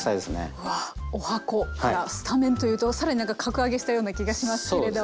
うわ十八番からスタメンというと更になんか格上げしたような気がしますけれども。